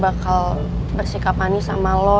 bakal bersikap manis sama lo